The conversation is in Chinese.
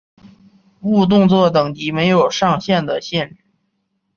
误动作等级没有上限的限制。